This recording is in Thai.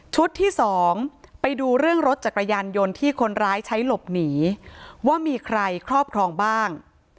ที่สองไปดูเรื่องรถจักรยานยนต์ที่คนร้ายใช้หลบหนีว่ามีใครครอบครองบ้าง